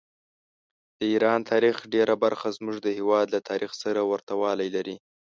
د ایران تاریخ ډېره برخه زموږ د هېواد له تاریخ سره ورته والي لري.